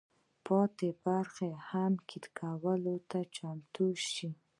پاتې برخې هم قیر کولو ته چمتو شي.